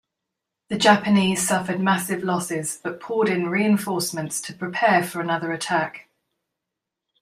The Japanese suffered massive losses, but poured in reinforcements to prepare for another attack.